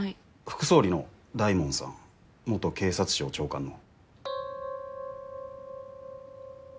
副総理の大門さん元警察庁長官の。